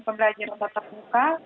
pembelajaran tata puka